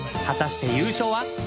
果たして優勝は！？